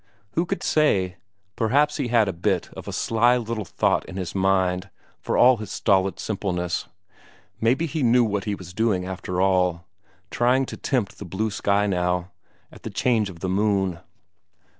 Who could say; perhaps he had a bit of a sly little thought in his mind for all his stolid simpleness; maybe he knew what he was doing after all, trying to tempt the blue sky now, at the change of the moon.